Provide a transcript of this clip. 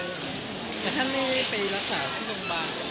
แต่ท่านไม่ไปรักษาที่โรงพยาบาล